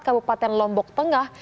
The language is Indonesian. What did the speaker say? kabupaten lombok tengah